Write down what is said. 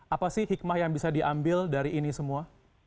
apa sih hikmah yang bisa diambil dari ini semua